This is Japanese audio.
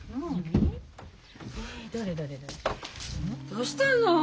どうしたの？